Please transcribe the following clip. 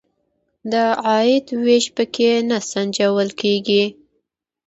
د عاید وېش په کې نه سنجول کیږي.